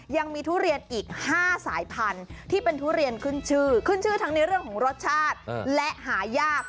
ยังมีทุเรียนอีก๕สายพันธุ์ที่เป็นทุเรียนขึ้นชื่อขึ้นชื่อทั้งในเรื่องของรสชาติและหายาก